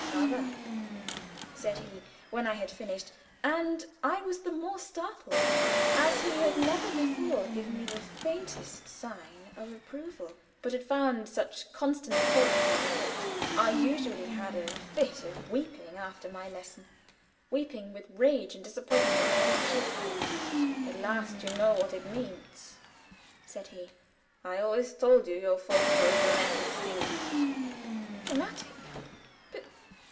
"Brava!" said he, when I had finished, and I was the more startled as he had never before given me the faintest sign of approval, but had found such constant fault with me that I usually had a fit of weeping after my lesson; weeping with rage and disappointment at my own shortcomings. "At last you know what it means," said he. "I always told you your forte was dramatic singing." "Dramatic!